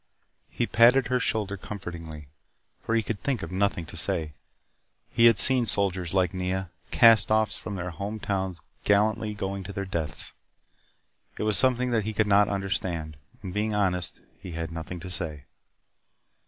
He patted her shoulder comfortingly, for he could think of nothing to say. He had seen soldiers like Nea cast offs from their home towns gallantly going to their deaths. It was something that he could not understand. And being honest, he had nothing to say.